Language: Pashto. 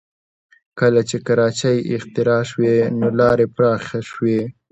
کله چې کراچۍ اختراع شوې نو لارې پراخه شوې